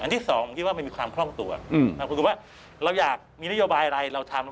ที่สองผมคิดว่ามันมีความคล่องตัวว่าเราอยากมีนโยบายอะไรเราทำ